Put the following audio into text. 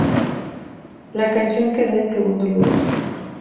La canción quedó en segundo lugar.